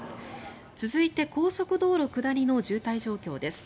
続いて、高速道路下りの渋滞状況です。